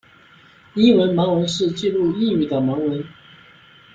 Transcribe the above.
英语盲文是记录英语的盲文。